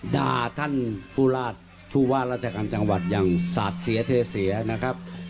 ด่าท่านผู้ราชผู้ว่าราชการจังหวัดอย่างสาดเสียเทเสียนะครับ